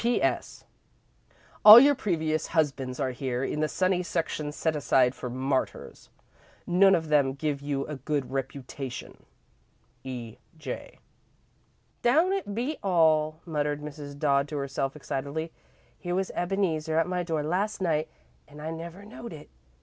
"P.S. All of your previous husbands are here, in the sunny section set aside for martyrs. None of them give you a good reputation. "E. J." "Don't it beat all," muttered Mrs. Dodd to herself, excitedly. "Here was Ebeneezer at my door last night, an' I never knowed it.